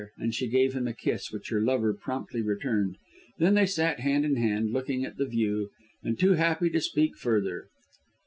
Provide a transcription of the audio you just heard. and she gave him a kiss which her lover promptly returned. Then they sat hand in hand, looking at the view, and too happy to speak further.